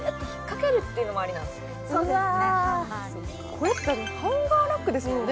これってハンガーラックですもんね